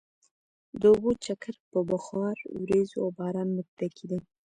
د اوبو چکر په بخار، ورېځو او باران متکي دی.